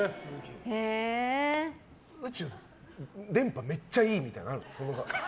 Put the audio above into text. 宇宙、電波めっちゃいいみたいなのあるんですか？